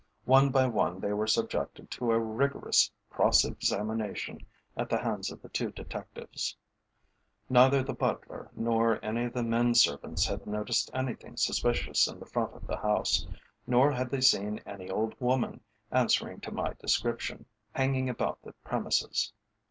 One by one they were subjected to a rigorous cross examination at the hands of the two detectives. Neither the butler nor any of the men servants had noticed anything suspicious in the front of the house, nor had they seen any old woman, answering to my description, hanging about the premises.